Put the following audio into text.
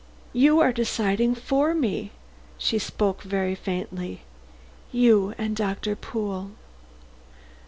"You are deciding for me," she spoke very faintly "you and Doctor Pool."